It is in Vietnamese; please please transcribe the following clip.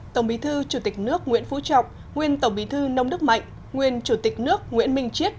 tổng bí thư chủ tịch nước nguyễn phú trọng nguyên tổng bí thư nông đức mạnh nguyên chủ tịch nước nguyễn minh chiết